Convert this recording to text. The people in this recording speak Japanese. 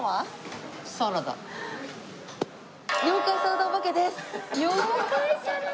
妖怪サラダお化けなの？